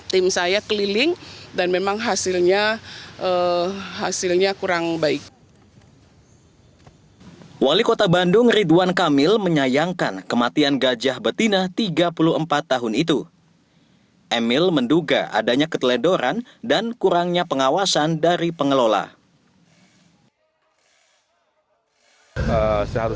tim saya keliling dan memang hasilnya kurang baik